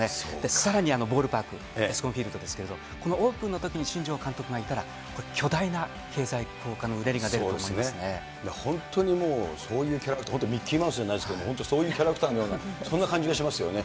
さらにボールパーク、あそこのフィールドですけれども、このオープンのときに新庄監督がいたら、巨大な経済効果のうねりが出ると本当にもう、本当にミッキーマウスじゃないですけれども、本当にそういうキャラクターのようなそんな感じがしますよね。